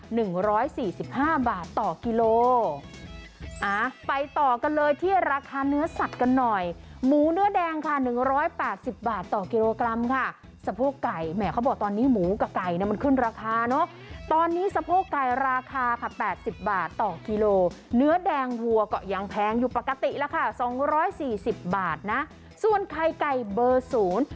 หนึ่งร้อยสี่สิบห้าบาทต่อกิโลอ่าไปต่อกันเลยที่ราคาเนื้อสัตว์กันหน่อยหมูเนื้อแดงค่ะหนึ่งร้อยแปดสิบบาทต่อกิโลกรัมค่ะสะโพกไก่แหมเขาบอกตอนนี้หมูกับไก่เนี่ยมันขึ้นราคาเนอะตอนนี้สะโพกไก่ราคาค่ะแปดสิบบาทต่อกิโลเนื้อแดงวัวก็ยังแพงอยู่ปกติแล้วค่ะสองร้อยสี่สิบบาทนะส่วนไข่ไก่เบอร์ศูนย์